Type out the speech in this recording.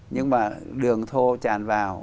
nhưng mà đường thô tràn vào